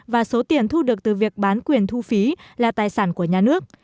và số tiền thu được từ việc bán quyền thu phí là tài sản của nhà nước